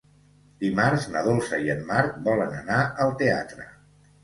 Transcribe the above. Dimarts na Dolça i en Marc volen anar al teatre.